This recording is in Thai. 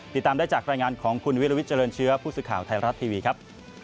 ติดตามได้จากรายงานของคุณวิลวิทเจริญเชื้อผู้สื่อข่าวไทยรัฐทีวีครับ